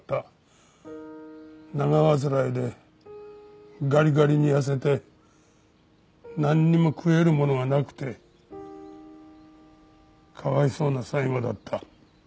長患いでガリガリに痩せてなんにも食えるものがなくてかわいそうな最後だった。